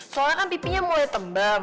soalnya kan pipinya mulai tembam